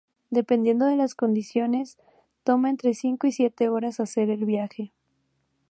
Dependiendo de las condiciones, toma entre cinco y siete horas hacer el viaje.